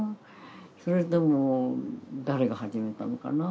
それとも誰が始めたのかな